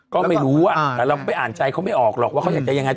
ก็ไม่รู้แต่เราก็ไปอ่านใจเขาไม่ออกหรอกว่าเขาอยากจะยังไง